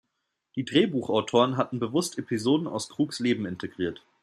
Die Drehbuchautoren hatten bewusst Episoden aus Krugs Leben integriert.